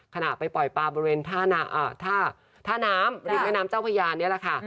ขณะไปปล่อยปลาบริเวณท่าน้ำริมแม่น้ำเจ้าพญานี่แหละค่ะ